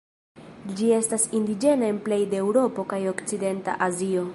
Ĝi estas indiĝena en plej de Eŭropo kaj okcidenta Azio.